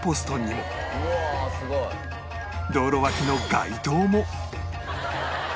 道路脇の街灯も